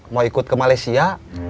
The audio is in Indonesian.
mau ikut ke malaysia